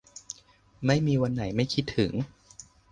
ไม่มีวันไหนไม่คิดถึง